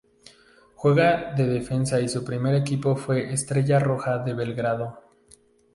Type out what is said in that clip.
Juega de defensa y su primer equipo fue Estrella Roja de Belgrado.